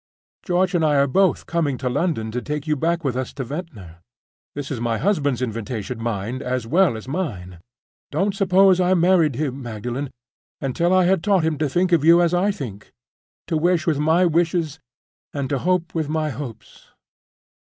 George and I are both coming to London to take you back with us to Ventnor. This is my husband's invitation, mind, as well as mine. Don't suppose I married him, Magdalen, until I had taught him to think of you as I think—to wish with my wishes, and to hope with my hopes.